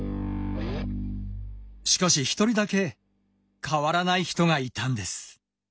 しかし１人だけ変わらない人がいたんです。